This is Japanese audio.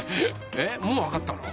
えっもうわかったの？